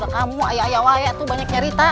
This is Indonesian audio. kamu banyak banyak cerita